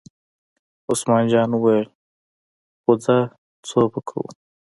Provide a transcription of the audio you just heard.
عثمان جان وویل: خو ځه څو به کوو.